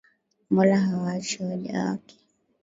Mola hawaachi waja wake